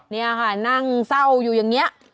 นี่ค่ะนั่งเศร้าอยู่อย่างนี้